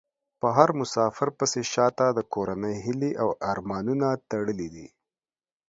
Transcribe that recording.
په هر مسافر پسې شا ته د کورنۍ هيلې او ارمانونه تړلي دي .